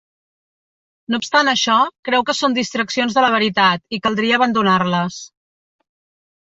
No obstant això, creu que són distraccions de la veritat i caldria abandonar-les.